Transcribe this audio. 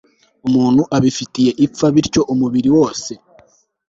umuntu atabifitiye ipfa bityo umubiri wose